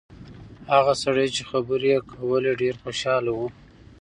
هغه سړی چې خبرې یې کولې ډېر خوشاله و.